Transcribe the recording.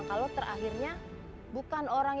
kalau terakhirnya bukan orang yang berangkat